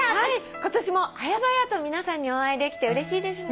今年も早々と皆さんにお会いできてうれしいですね。ね！